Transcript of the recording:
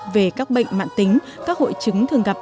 về các bệnh mạng tính các hội chứng thường gặp